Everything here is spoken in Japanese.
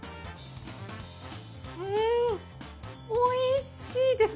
うん美味しいです。